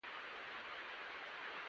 بېنډۍ له صحي خوړو سره پرتله کېږي